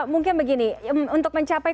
mungkin begini untuk mencapai